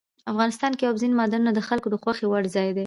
افغانستان کې اوبزین معدنونه د خلکو د خوښې وړ ځای دی.